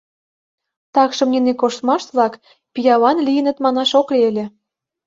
Такшым нине коштмаш-влак пиалан лийыныт манаш ок лий ыле.